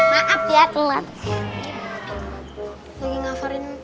maaf ya teman teman